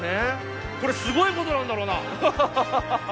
これすごいことなんだろうな。